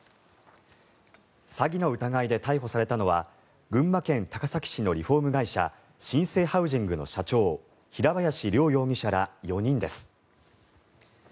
詐欺の疑いで逮捕されたのは群馬県高崎市のリフォーム会社信誠ハウジングの社長平林凌容疑者ら４人です。